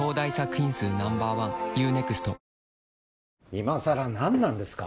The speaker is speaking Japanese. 今さら何なんですか？